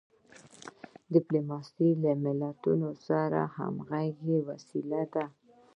ډیپلوماسي له ملتونو سره د همږغی وسیله ده.